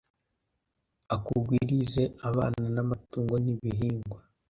akugwirize abana n’amatungo n’ibihingwa.